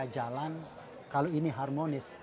jalan kalau ini harmonis